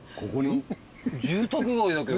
住宅街だけどな。